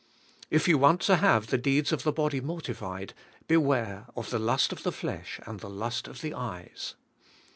If you want to have the deeds of the body mortified, be ware of the lust of the flesh and the lust of the eyes.